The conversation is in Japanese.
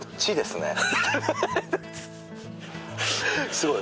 すごい。